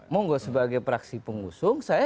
monggo sebagai praksi pengusung saya